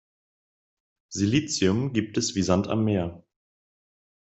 Silizium gibt es wie Sand am Meer.